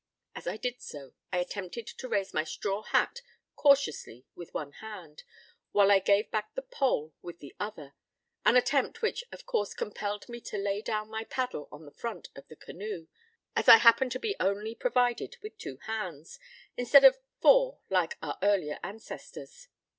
As I did so, I attempted to raise my straw hat cautiously with one hand, while I gave back the pole with the other: an attempt which of course compelled me to lay down my paddle on the front, of the canoe, as I happen to be only provided with two hands, instead of four like our earlier ancestors.